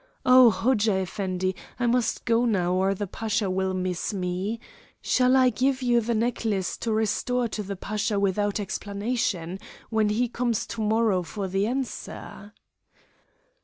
"Oh Hodja Effendi, I must go now, or the Pasha will miss me. Shall I give you the necklace to restore to the Pasha without explanation, when he comes to morrow for the answer?"